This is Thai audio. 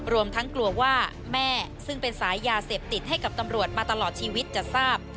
รวมทั้งกลัวว่าแม่ซึ่งเป็นสายยาเสพติดให้กับตำรวจมาตลอดชีวิตจะทราบ